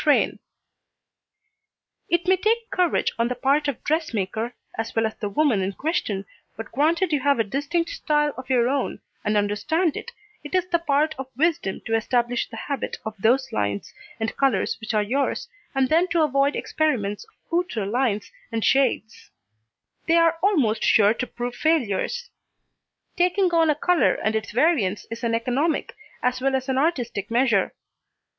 [Illustration: Metropolitan Museum of Art Woman in Ancient Egyptian Sculpture Relief] It may take courage on the part of dressmaker, as well as the woman in question, but granted you have a distinct style of your own, and understand it, it is the part of wisdom to establish the habit of those lines and colours which are yours, and then to avoid experiments with outré lines and shades. They are almost sure to prove failures. Taking on a colour and its variants is an economic, as well as an artistic measure.